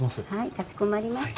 かしこまりました。